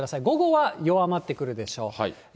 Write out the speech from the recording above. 午後は弱まってくるでしょう。